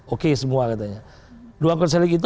oke semua katanya dua konseling itu